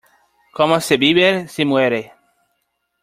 Como se vive, se muere.